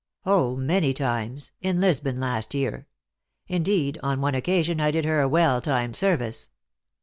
" Oh, many times : in Lisbon, last year. Indeed, on one occasion I did her a well timed service."